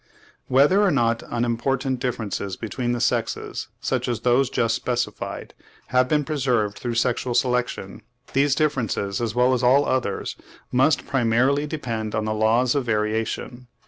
Whether or not unimportant differences between the sexes, such as those just specified, have been preserved through sexual selection, these differences, as well as all others, must primarily depend on the laws of variation.